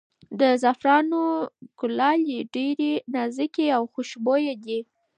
د زعفرانو کلالې ډېرې نازکې او خوشبویه دي.